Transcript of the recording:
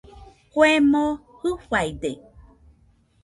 Kue moo Jɨfaide